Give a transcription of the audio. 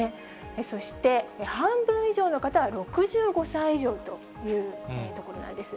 そして半分以上の方は６５歳以上というところなんです。